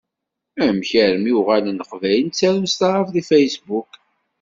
Amek armi uɣalen Leqbayel ttarun s taɛrabt deg Facebook?